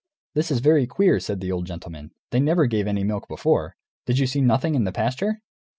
"This is very queer," said the old gentleman; "they never gave any milk before. Did you see nothing in the pasture?"